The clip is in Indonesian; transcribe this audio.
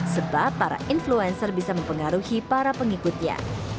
sebab para influencer bisa mempengaruhi para pengikutnya